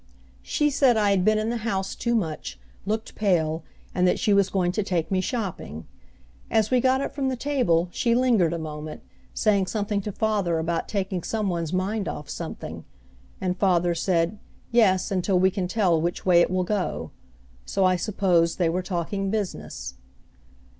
She said I had been in the house too much, looked pale, and that she was going to take me shopping. As we got up from the table she lingered a moment, saying something to father about taking some one's mind off something. And father said, yes until we can tell which way it will go. So I supposed they were talking business.